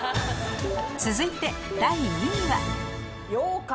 続いて第２位は？